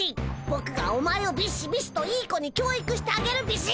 ぼくがお前をビシビシといい子に教育してあげるビシッ！